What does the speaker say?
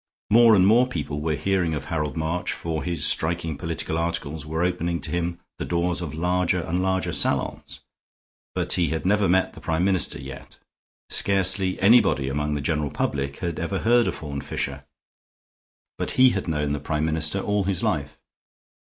More and more people were hearing of Harold March, for his striking political articles were opening to him the doors of larger and larger salons; but he had never met the Prime Minister yet. Scarcely anybody among the general public had ever heard of Horne Fisher; but he had known the Prime Minister all his life.